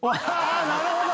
あなるほど！